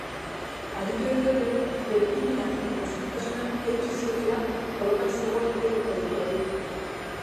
Adituek diote bere ekimenak eta sendotasunak eutsi ziotela kolokan zegoen euro proiektuari.